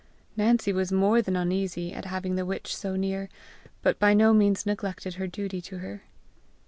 Nancy was more than uneasy at having the witch so near, but by no means neglected her duty to her.